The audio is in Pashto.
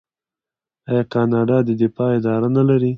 آیا کاناډا د دفاع اداره نلري؟